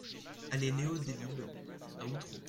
Allée Leo Delibes à Outreau